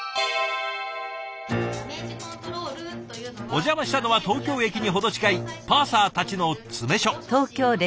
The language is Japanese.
お邪魔したのは東京駅に程近いパーサーたちの詰め所。